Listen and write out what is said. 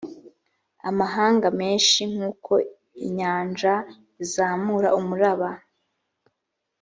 amahanga menshi nk uko inyanja izamura umuraba